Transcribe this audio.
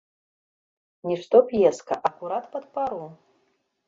Нішто п'еска, акурат пад пару.